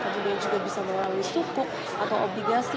kemudian juga bisa melalui suku atau obligasi